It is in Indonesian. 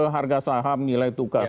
harga saham nilai tukar